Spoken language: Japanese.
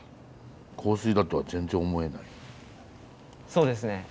そうですね。